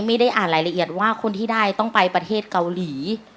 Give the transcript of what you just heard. ไม่ได้อ่านรายละเอียดว่าคนที่ได้ต้องไปประเทศเกาหลี